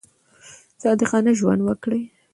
صادقانه ژوند وکړئ.